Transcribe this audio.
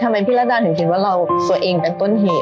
พี่ระดาถึงคิดว่าเราตัวเองเป็นต้นเหตุ